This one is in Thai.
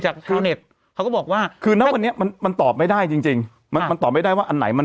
เพราะดูเนี่ยจากเท่านาท